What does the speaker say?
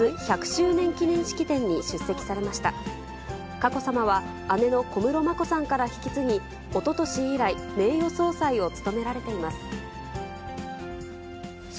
佳子さまは、姉の小室眞子さんから引き継ぎ、おととし以来、名誉総裁を務められています。